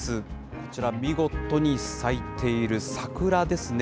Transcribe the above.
こちら、見事に咲いている桜ですね。